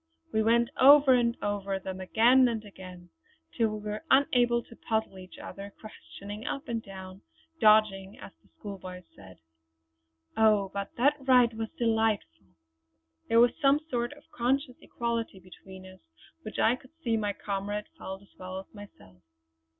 We went over and over them again and again, till we were unable to puzzle each other questioning up and down, 'dodging' as the school boys say. Oh, but that ride was delightful! There was some sort of conscious equality between us which I could see my comrade felt as well as myself.